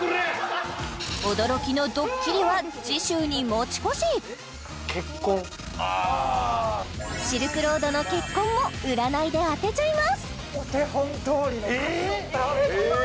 驚きのドッキリは次週に持ち越しシルクロードの結婚も占いで当てちゃいますお手本どおりのえーっ？